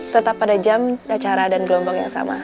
tetap pada jam acara dan gelombang yang sama